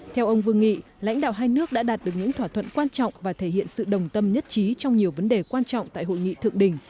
theo ông vương nghị lãnh đạo hai nước đã đạt được những thỏa thuận quan trọng và thể hiện sự đồng tâm nhất trí trong nhiều vấn đề quan trọng tại hội nghị thượng đỉnh